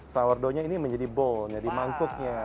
sourdoughnya ini menjadi bowl jadi mangkuknya